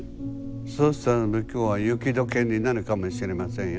そうしたら向こうは雪解けになるかもしれませんよ。